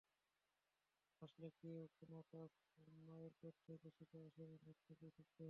আসলে কেউ কোন কাজ মায়ের পেট থেকে শিখে আসেনা, নিজ থেকেই শিখতে হয়।